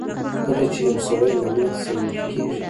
کله چې يو سړی له ماتې سره مخ کېږي.